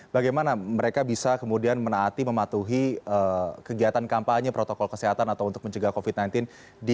bagaimana mereka bisa kemudian menaati mematuhi kegiatan kampanye protokol kesehatan atau untuk mencegah covid sembilan belas